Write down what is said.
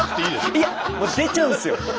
いや出ちゃうんですよ。